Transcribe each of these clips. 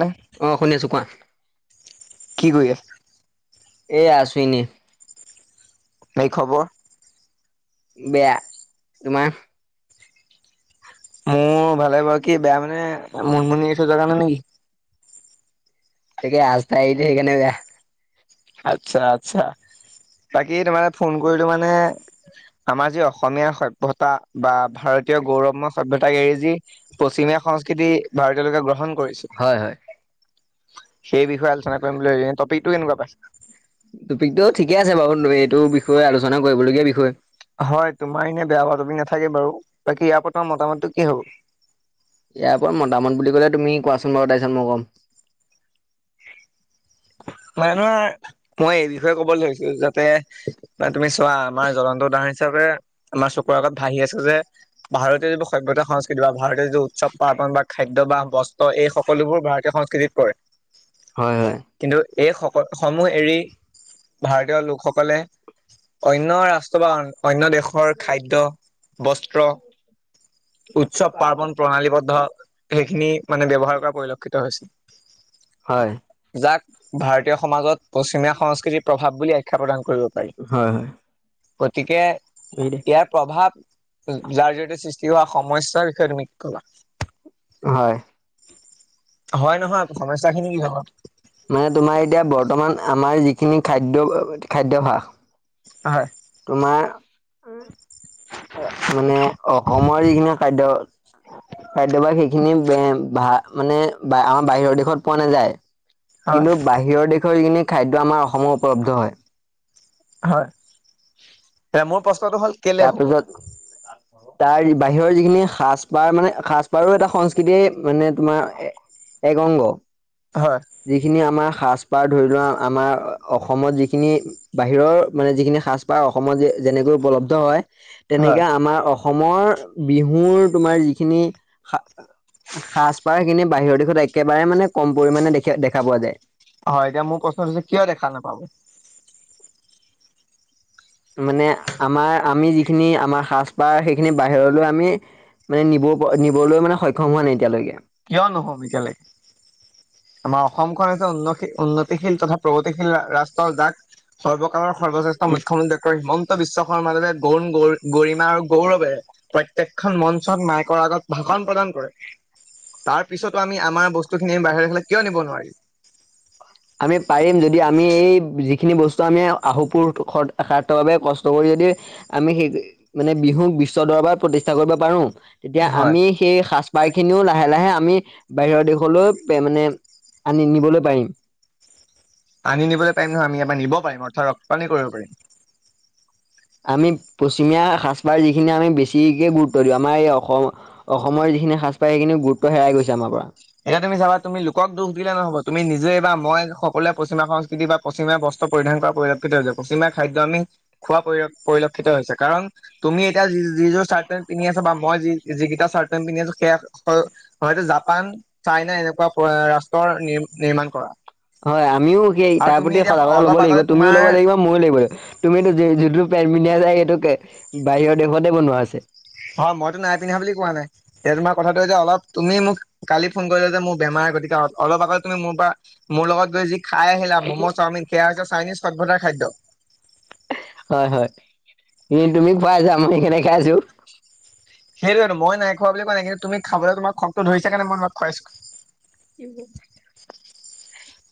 নে অঁ, শুনি আছো কোৱা। কি কৰি আছা? এ আছো এনে। বাকি খবৰ? বেয়া। তোমাৰ? মোৰ ভালে বাৰু। কি বেয়া মানে মুনমুনি [unintelligible] কাৰণে নে কি? [unintelligible] যে সেইকাৰণে বেয়া। আচ্ছা, আচ্ছা। বাকী তোমাক ফোন কৰিলো মানে আমাৰ যি অসমীয়া সভ্যতা বা ভাৰতীয় গৌৰময় সভ্যতাক এৰি যি পশ্চিমীয়া সংস্কৃতি ভাৰতীয় লোকে গ্ৰহণ কৰিছে। হয় হয়। সেই বিষয়ে আলোচনা কৰিম বুলি, টপিকটো কেনেকুৱা পাইছ? টপিকটো ঠিকে আছে বাৰু, তু এইটো বিষয়ে আলোচনা কৰিবলগীয়া বিষয়। হয় তোমাৰ এনে বেয়া [unintelligible] নাথাকে বাৰু বাকী ইয়াৰ পৰা তোমাৰ মোটামটটো কি হ'ব? ইয়াৰ পৰা মতামত বুলি কলে তুমি কোৱাচোন বাৰু তাৰপিছত মই কম। [unintelligible] মই এই বিষয়ে ক'ব লৈছো যাতে। নাই তুমি চোৱা আমাৰ জ্বলন্ত দাহ হিচাপে আমাৰ চকুৰ আগত ভাঁহি আছে যে ভাৰতীয় যিবোৰ সভ্য ভাৰ সংস্কৃতি বা ভাৰতীয় যি উৎসৱ পাৰ্বন বা খাদ্য বা বস্ত্ৰ, এই সকলোবোৰ ভাৰতীয় সংস্কৃতিত পৰে। হয়, হয়। কিন্তু এই সক সমূহ এৰি ভাৰতীয় লোকসকলে অন্য ৰাষ্ট্ৰ বা অন্য দেশৰ খাদ্য বস্ত্ৰ [inaudible] উৎসৱ পাৰ্বন প্ৰণালীবদ্ধ সেইখিনি মানে ব্যৱহাৰ কৰা পৰিলক্ষিত হৈছে। হয়। যাক ভাৰতীয় সমাজত পশ্চিমীয়া সংস্কৃতিৰ প্ৰভাৱ বুলি আখ্যা প্ৰদান কৰিব। পাৰি হয়, হয়। গতিকে ইয়াৰ প্ৰভাৱ যাৰ জৰিয়তে সৃষ্টি হোৱা সমস্যাৰ বিষয়ে তুমি কলা। হয়। হয় নহয় সমস্যাখিনি কি হয়। খিনি খাদ্য খাদ্যাভাস। হয় তোমাৰ। [unintelligible] মানে অসমৰ যিখিনি খাদ্য। খাদ্যভাগ সেইখিনি ভা মানে আমাৰ বাহিৰৰ দেশত পোৱা নাযায়। হয় কিন্তু বাহিৰৰ দেশৰ যখিনি খাদ্য আমাৰ অসমৰ উপলব্ধ হয়। হয়। এ মোৰ প্ৰশ্ন তাৰপিছত তাৰ বাহিৰৰ যিখিনি সাজ পাৰ মানে সাজপাৰো এটা সংস্কৃতিয়ে মানে তোমাৰ এক অংগ। হয় যিখিনি আমাৰ সাজ-পাৰ ধৰি লোৱা আমাৰ অসমত যিখিনি বাহিৰৰ মানে যিখিনি সাজ-পাৰ অসমত যে যেনেকৈ উপলব্ধ হয় তেনেকে হয় আমাৰ অসমৰ বিহুৰ তোমাৰ যিখিনি সা সাজ-পাৰ খিনি বাহিৰৰ দেশত একেবাৰে মানে কম পৰিমাণে দেখ দেখা পোৱা যায়। হয় এতিয়া মোৰ প্ৰশ্নটো হৈছে কিয় দেখা নাপাব। মানে আমাৰ আমি যিখিনি আমাৰ সাজপাৰ সেইখিনি বাহিৰলৈ আমি। মানে নিব নিবলৈ মানে সক্ষম হোৱা নাই এতিয়ালৈকে। কিয় নহম বিকালে। আমাৰ অসমখন হৈছে উন্নতি উন্নতিশীল তথা প্ৰগতিশীল ৰাষ্ট্ৰ যাক। সৰ্বকালৰ সৰ্বশ্ৰেষ্ঠ উম। মুখ্যমন্ত্ৰী ডঃ হিমন্ত বিশ্ব শৰ্মাদেৱে তৰুণ গগৈ গৰিমা আৰু গৌৰৱে। প্ৰত্যেকখন মঞ্চত মাইকৰ আগত ভাষণ প্ৰদান কৰে। তাৰ পিছতো আমি আমাৰ বস্তুখিনি বাহিৰলৈ কিয় নিব। [inaudible] নোৱাৰিম? আমি পাৰিম যদি আমি এই যিখিনি বস্তু। আমি [unintelligible] কষ্ট কৰি যদি আমি মানে বিহুক বিশ্ব দৰ। [unintelligible] প্ৰতিষ্ঠা কৰিব পাৰোঁ। তেতিয়া হয় আমি সেই সাজপাৰ খিনিও লাহে লাহে আমি বাহিৰৰ দেশলৈ মানে। আমি নিবলৈ পাৰিম। আমি নিবলৈ পাৰিম নহয় আমি ইয়াৰ পৰা নিব পাৰিম অৰ্থাৎ ৰপ্তানি কৰিব পাৰিম। আমি পশ্চিমীয়া সাজপাৰ যিখিনি আমি বেছিকে গুৰুত্ব দিওঁ আমাৰ এই অসম অসমৰ যি। সিখিনি সাজপাৰে সেইখিনি গুৰুত্ব হেৰাই গৈছে আমাৰ পৰা। এতিয়া তুমি চাবা তুমি লোকক দুখ দিলে নহ'ব তুমি নিজে বা মই সকলোৱে পশ্চিমীয়া সংস্কৃতি বা পশ্চিমীয়া বস। পৰিধান কৰা পৰিলক্ষিত হৈছে। পশ্চিমীয়া খাদ্য আমি খোৱা পৰি পৰিলক্ষিত হৈছে কাৰণ তুমি এতিয়া যি যিযোৰ চাৰ্ট পেণ্ট পিন্ধি আছা। বা মই যি যিকেইটা চাৰ্ট পেণ্ট পিন্ধি আছোঁ সেয়া হয়তো জাপান। চাইনা এনেকুৱা ৰাষ্ট্ৰৰ নি নিৰ্মাণ কৰা। হয় আমিও সেই আৰু তাৰ তুমি প্ৰতি এতিয়া সজাগত ল'ব অলপ লাগিব আগতে তুমিও তোমাৰ ল'ব লাগিব মইও লব লাগিব। তুমিতো যিটো পেণ্ট পিন্ধা যায় সেইটো বাহিৰৰ দেশতে বনোৱা আছে। হয় মইতো নাই পিন্ধা বুলি কোৱা নাই এতিয়া তোমাক। কথাটো যে অলপ তুমি মোক কালি ফোন কৰিলা যে মোৰ বেমাৰ গতিকে অলপ আগত তুমি মোৰ পৰা মোৰ লগত। যি খাই আহিলা ম'ম' চাওমিন সেয়া হৈছে চাইনিজ সভ্যতাৰ খাদ্য। হয় হয় এ তুমি [unintelligible] সেইকেইটা খাই আহিছোঁ। সেইটো মই নাই খোৱা বুলি কোৱা নাই কিন্তু তুমি। খাবলৈ তোমাৰ খংটো ধৰিছে কাৰণে মই তোমাক খুৱাইছো [unintelligible]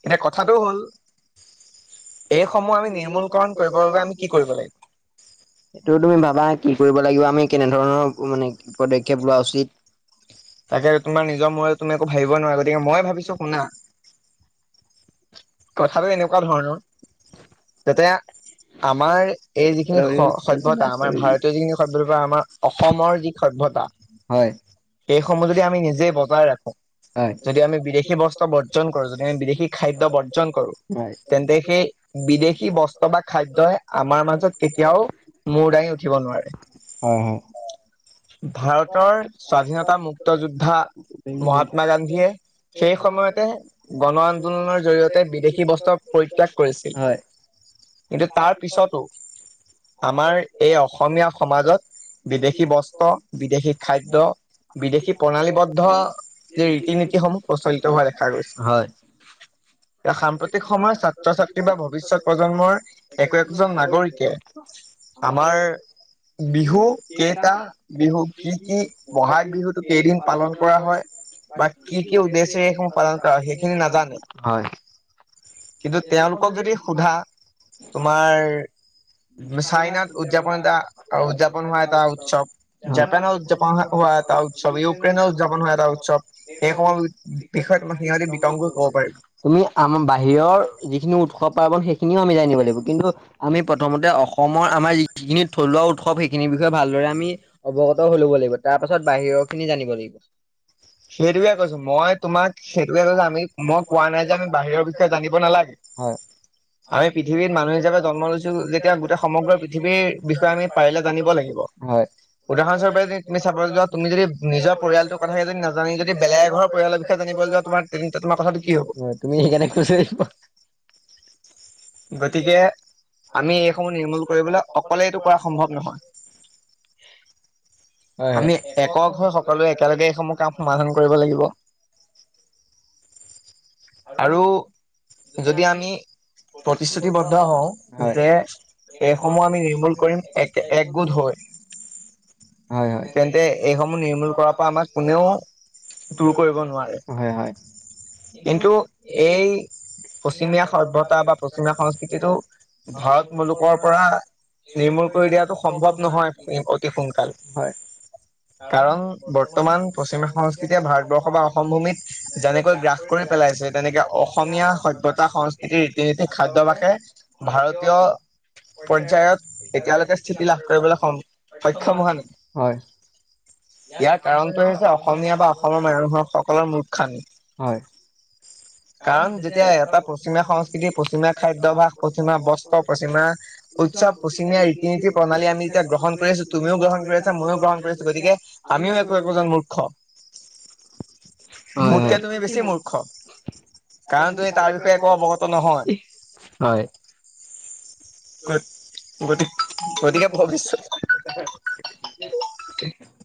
এনে কথাটো হ'ল। এইসমূহ আমি নিৰ্মূলকৰণ কৰিবৰ বাবে আমি কি কৰিব লাগিব। সেইটো তুমি ভাবা কি কৰিব লাগিব আমি কেনে ধৰণৰ মানে পদক্ষেপ লোৱা উচিত। তাকে তোমাৰ নিজৰ মূৰত তুমি একো ভাবিব নোৱাৰা গতিকে মই ভাবিছোঁ শুনা। কথাটো এনেকুৱা ধৰণৰ যাতে। আমাৰ এই যিখিনি স সভ্যতা আমাৰ ভাৰতীয় যিখিনি সভ্যতা বা আমাৰ অসমৰ যি সভ্যতা পতা। হয়। সেইসমূহ যদি আমি নিজে বজাই ৰাখো। হয় যদি আমি বিদেশী বস্ত্ৰ বৰ্জন কৰোঁ যদি আমি বিদেশী খাদ্য বৰ্জন কৰো হয় তেন্তে সেই বিদেশী বস্ত্ৰ বা খাদ্যই আমাৰ মাজত কেতিয়াও মূৰ দাঙি উঠিব ব নোৱাৰে। হয় হয়। ভাৰতৰ স্বাধীনতা মুক্ত যোদ্ধা। মহাত্মা গান্ধীয়ে হয়। সেই সময়তে গণ আন্দোলনৰ জৰিয়তে। তে বিদেশী বস্ত্ৰ পৰিত্যাগ কৰিছিল কিন্তু তাৰ পিছতো। আমাৰ এই অসমীয়া সমাজত বিদেশী বস্ত্ৰ বিদেশী খাদ্য। বিদেশী প্ৰণালীবদ্ধ ৰীতি নীতিসমূহ প্ৰচলিত হোৱা দেখা গৈছে। [unintelligible] সাম্প্ৰতিক সময়ত ছাত্ৰ-ছাত্ৰী বা ভৱিষ্যত প্ৰজন্মৰ একো একজন নাগৰিকে। আমাৰ। বিহু কেইটা বিহু কি কি বহাগ বিহুতটো কেইদিন পালন কৰা হয় ব বা কি কি উঠছে উদ্দেশ্যে এইসমূহ পালন কৰা হয় কৰখিনে সেইখিনি নাজানে নাজানো [unintelligible] কিন্তু তেওঁলোকক যদি সোধা তোমাৰ চাইনাত উদযাপন এটা উদযাপন হোৱা এটা উৎসৱ হয়। জাপানত উদযাপন হোৱা এটা এটা উৎসৱ ইউক্ৰেইনে উদযাপন হ এটা উৎসৱ সেইসমূহ বিষয়ে তোমাক সিহঁতি বিতং কৈ কব পাৰিব। তুমি আমাৰ বাহিৰৰ যিখিনি উৎসৱ পাৰ্বন সেইখিনিও আমি যাই নিব লাগিব কিন্তু আমি প্ৰথমতে অসমৰ আমাৰ যিখিনি থলুৱা উৎসৱ সেইখিনিৰ বিষয়ে ভালদৰে আমি অৱগত হৈ ল'ব লাগিব তাত তাৰপাছত বাহিৰৰ খিনি জানিব লাগিব। সেইটোয়ে কৈছো মই তোমাক সেইটোয়ে কৈছো আমি মই কোৱা নাই যে আমি বাহিৰৰ বিষয়ে জানিব নালাগে। হয়। আমি পৃথিৱীত মানুহ হিচাপ জন্ম লৈছো যে, এতিয়া গোটেই সমগ্ৰ পৃথিৱীৰ বিষয়ে আমি পাৰিলে জানিব লাগিব। হয়, উদাহৰণস্বূপে যদি তুমি চাবলে যোৱা তুম যদি নিজৰ পৰিয়ালৰ কথা যদি না, তোমাৰ তেন্তে তোমাৰ কথাটো কি হব [unintelligible] তুমি সেই কাৰণে, [inaudible] গতিকে, আমি এইসমূহ নিৰ্মূল কৰিবলৈ অকলে এইটো কৰা সম্ভৱ নহয়। [inaudible] আমি একক হৈ সকলোৱে একেলগে এইসমূহ কাম সমাধান কৰিব লাগিব। আৰু যদি আমি। প্ৰতিশ্ৰুতিবদ্ধ হওঁ হয় যে এইসমূহ আমি নিৰ্মূল এক প্ৰয় [inaudible] তেন্তে এইসমূহ নিৰ্মূল কৰাৰ পৰা আমাক কোনেও, দূৰ কৰিব নোৱাৰে হয় হয়। কিন্তু এই, পশ্চিমীয়া সভ্যতা বা পশ্চিমীয়া সংস্কৃতিটো ভাৰত মুলুকৰ পৰা। নিৰ্মূল কৰি দিয়াটো সম্ভৱ নহয় [unintelligible] হয়। কাৰণ বৰ্তমান পশ্চিমিয়া সংস্কৃতিয়ে ভাৰতবৰ্ষ বা অসম ভূমিত যেনেকৈ গ্ৰাস কৰি পেলাইছে যেনে। তেনেকে অসমীয়া সভ্যতা সংস্কৃতি ৰীতি-নীতি খাদ্যভাসে ভাৰতীয়। পৰ্যায়ত এতিয়ালৈকে স্থিতি লাভ কৰিবলৈ স সক্ষম হোৱা নাই, হয় ইয়াৰ কাৰণটো হৈছে অসমীয়া বা অসমৰ মানুহসকলোৰ সুখ শান্তি। হয় [inaudible] কাৰণ যেতিয়া এটা পশ্চিমীয়া সংস্কৃতি, পশ্চিমীয়া খাদ্যাভ্যাস, পশ্চিমীয়া বস্ত্ৰ, পশ্চিমীয়া উৎসৱ, পশ্চিমীয়া ৰীতি- নীতি, প্ৰণালী আমি যেতিয়া গ্ৰহণ কৰি আছো। একো একোজন মূৰ্খ। হয়, মোতকে হয়। তুমি বেছি মূৰ্খ। কাৰণ তুমি তাৰ বিষয়ে একো অৱগত নহয়। হয়। হয়, গতি গতিকে ভৱিষ্যত স [unintelligible]